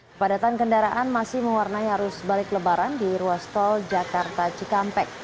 kepadatan kendaraan masih mewarnai arus balik lebaran di ruas tol jakarta cikampek